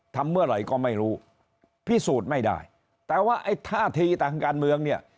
ทำเมื่อไหร่ก็ไม่รู้พิสูจน์ไม่ได้แต่ว่าไอ้ท่าทีทางการเมืองเนี่ย